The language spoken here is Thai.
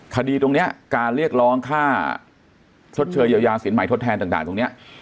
คดีตรงนี้การเรียกร้องค่าชดเชยเยียวยาสินใหม่ทดแทนต่างตรงนี้